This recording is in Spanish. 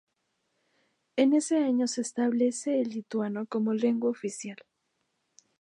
En ese año se establece el lituano como lengua oficial.